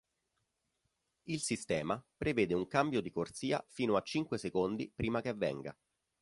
Il sistema prevede un cambio di corsia fino a cinque secondi prima che avvenga.